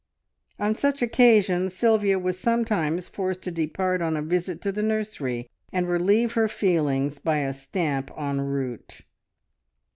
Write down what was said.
On such occasions Sylvia was sometimes forced to depart on a visit to the nursery and relieve her feelings by a stamp en route.